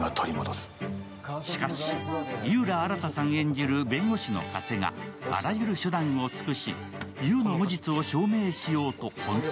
しかし、井浦新さん演じる弁護士の加瀬があらゆる手段を尽くし優の無実を証明しようと奔走。